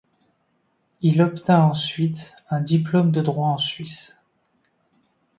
Il obtint ensuite un diplôme de droit en Suisse.